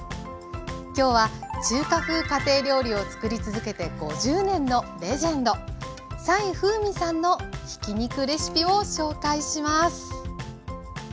今日は中華風家庭料理をつくり続けて５０年のレジェンド斉風瑞さんのひき肉レシピを紹介します。